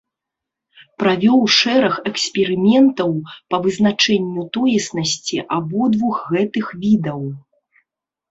Правёў шэраг эксперыментаў па вызначэнню тоеснасці абодвух гэтых відаў.